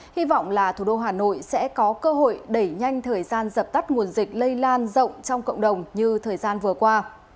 hy vọng là thủ đô hà nội sẽ có cơ hội đẩy nhanh thời gian dập tắt nguồn dịch lây lan rộng trong cộng đồng như thời gian vừa qua